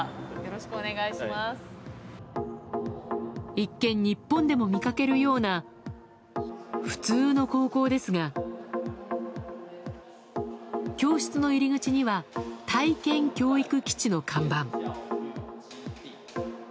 一見、日本でも見かけるような普通の高校ですが教室の入り口には体験教育基地の看板。